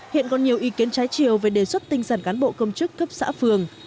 hiện còn nhiều ý kiến trái chiều về đề xuất tinh giản cán bộ công chức cấp xã phường